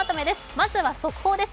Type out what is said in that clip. まずは速報です。